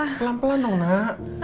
pelan pelan dong nak